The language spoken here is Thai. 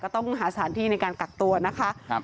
ต้องหาสถานที่ในการกักตัวนะคะ